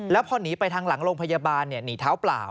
แล้วพอหนีไปทางหลังโรงพยาบาลหนีเท้าเปล่า